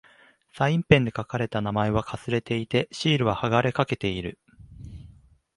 サインペンで書かれた名前は掠れていて、シールは剥がれかけている。